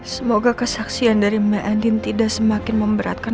semoga kesaksian dari mbak edin tidak semakin memberatkan